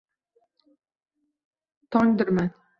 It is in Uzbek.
Tongdirman